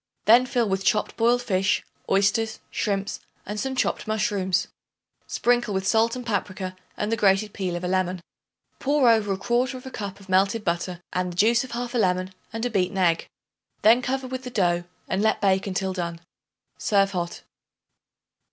Then fill with chopped boiled fish, oysters, shrimps and some chopped mushrooms. Sprinkle with salt and paprica and the grated peel of a lemon. Pour over 1/4 cup of melted butter and the juice of 1/2 lemon and a beaten egg. Then cover with the dough and let bake until done. Serve hot.